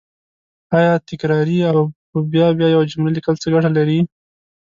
آیا تکراري او په بیا بیا یوه جمله لیکل څه ګټه لري